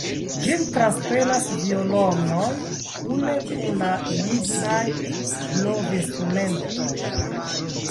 Ĝin transprenas violonoj kune kun la lignaj blovinstrumentoj.